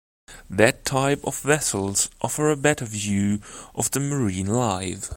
That type of vessels offer a better view of the marine life.